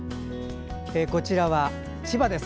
こちらは千葉です。